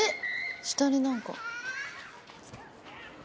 下に何か。